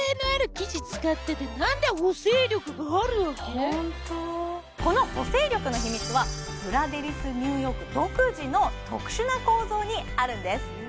はいホントこの補整力の秘密はブラデリスニューヨーク独自の特殊な構造にあるんです